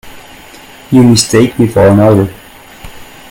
You mistake me for another.